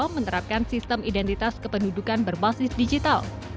menerapkan sistem identitas kependudukan berbasis digital